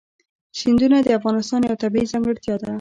سیندونه د افغانستان یوه طبیعي ځانګړتیا ده.